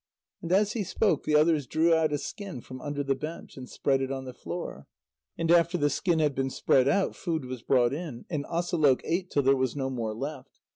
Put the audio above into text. And as he spoke, the others drew out a skin from under the bench, and spread it on the floor. And after the skin had been spread out, food was brought in. And Asalôq ate till there was no more left.